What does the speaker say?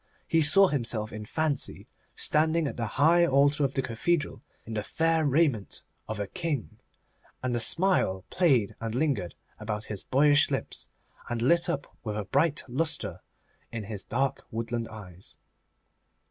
He saw himself in fancy standing at the high altar of the cathedral in the fair raiment of a King, and a smile played and lingered about his boyish lips, and lit up with a bright lustre his dark woodland eyes.